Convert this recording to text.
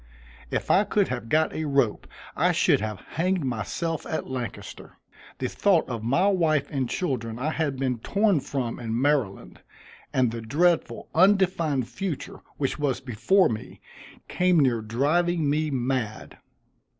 If I could have got a rope I should have hanged myself at Lancaster. The thought of my wife and children I had been torn from in Maryland, and the dreadful undefined future which was before me, came near driving me mad.